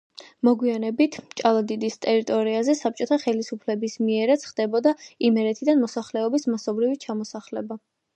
მოგვიანებით ჭალადიდის ტერიტორიაზე საბჭოთა ხელისუფლების მიერაც ხდებოდა იმერეთიდან მოსახლეობის მასობრივი ჩამოსახლება.